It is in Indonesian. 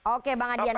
oke bang adrian